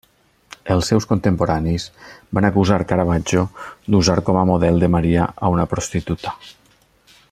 Els seus contemporanis van acusar Caravaggio d'usar com a model de Maria a una prostituta.